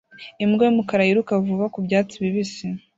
Imbwa y'umukara yiruka vuba ku byatsi bibisi